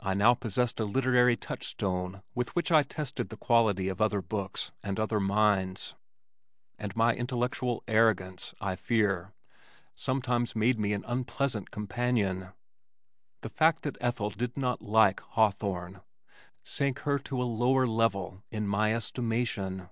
I now possessed a literary touchstone with which I tested the quality of other books and other minds, and my intellectual arrogance, I fear, sometimes made me an unpleasant companion. The fact that Ethel did not "like" Hawthorne, sank her to a lower level in my estimation.